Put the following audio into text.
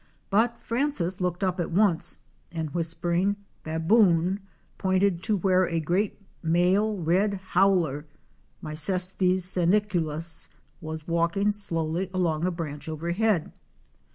But Francis looked up at once and whispering ''Baboon'' pointed to where a great male red howler (Mycetes seniculus) was walking slowly along a branch overhead.